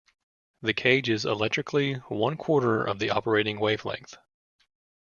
The cage is electrically one-quarter of the operating wavelength.